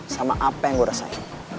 sama apa yang gue rasain